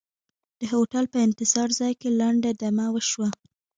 د هوټل په انتظار ځای کې لنډه دمې وشوه.